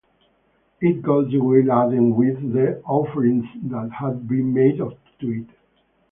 It goes away laden with the offerings that have been made to it.